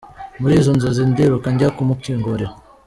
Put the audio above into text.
Muri izo nzozi ndiruka njya kumukingurira.